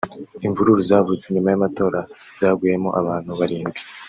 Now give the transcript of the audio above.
Imvururu zavutse nyuma y’amatora zaguyemo abantu barindwi